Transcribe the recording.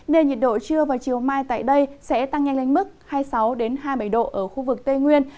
nên nhiệt độ trưa và chiều mai tại đây sẽ tăng nhanh lên mức hai mươi sáu hai mươi bảy độ ở khu vực tây nguyên